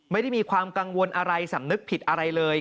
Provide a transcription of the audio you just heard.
ไม่ได้มีความกังวลอะไรสำนึกผิดอะไรเลย